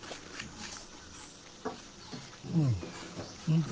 うん。